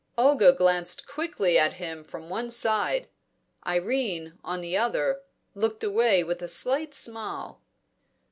Olga glanced quickly at him from one side; Irene, on the other, looked away with a slight smile.